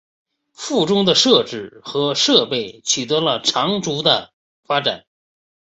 附中的设施和设备取得了长足的发展。